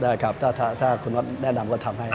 ได้ครับถ้าคุณน็อตแนะนำก็ทำให้